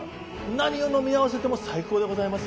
何を飲み合わせても最高でございます。